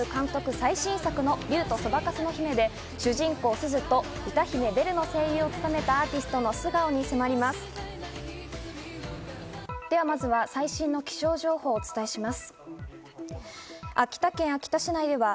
最新作『竜とそばかすの姫』で主人公・すずと歌姫・ベルの声優を務めたアーティストの素顔に迫ります。